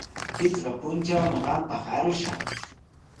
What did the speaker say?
Pichqa puntrawmi qampaq arushaq.